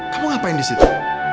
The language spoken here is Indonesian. kamu ngapain di situ